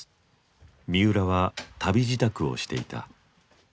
三浦は旅支度をしていた。